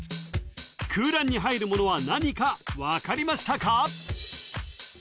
空欄に入るものは何か分かりましたか？